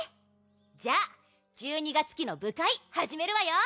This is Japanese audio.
じゃあ１２月期の部会始めるわよ。